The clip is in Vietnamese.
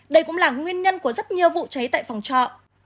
đây cũng là nguyên nhân của rất nhiều vụ cháy tại phòng trọ